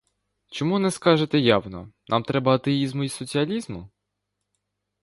Чому не скажете явно: нам треба атеїзму й соціалізму?